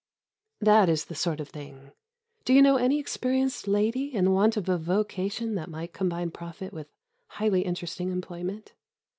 That is the sort of thing. Do you know any experienced lady in want of a vocation that might combine profit with highly interesting employment?